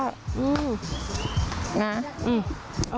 นะ